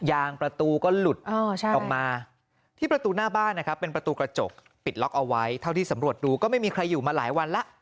ยางประตูก็หลุดออกมาที่ประตูหน้าบ้านนะครับเป็นประตูกระจกปิดล็อกเอาไว้เท่าที่สำรวจดูก็ไม่มีใครอยู่มาหลายวันแล้ว